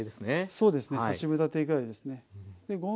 そうですね八分立てぐらいですね。